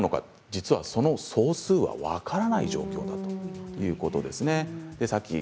実はその総数は分からない状況だということです。